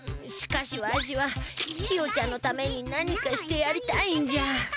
しかしわしはひよちゃんのために何かしてやりたいんじゃ。